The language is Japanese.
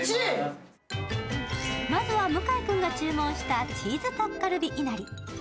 まずは向井君が注文したチーズタッカルビいなり。